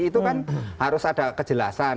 itu kan harus ada kejelasan